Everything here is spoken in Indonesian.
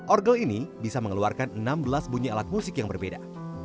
orgel ini bisa mengeluarkan enam belas bunyi alat musik yang berbeda